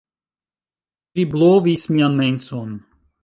Ĝi blovis mian menson.